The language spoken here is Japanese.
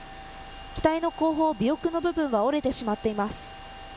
機体の後方、尾翼の部分は折れてしまっています。